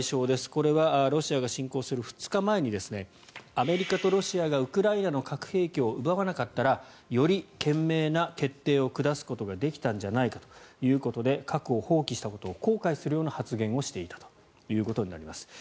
これはロシアが侵攻する２日前にアメリカとロシアがウクライナの核兵器を奪わなかったらより賢明な決定を下すことができたんじゃないかということで核を放棄したことを後悔するような発言をしていたということになります。